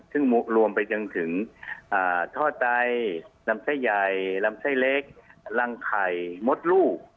ซึ่งรวมไปจนถึงท่อไตลำไส้ใหญ่ลำไส้เล็กรังไข่มดลูก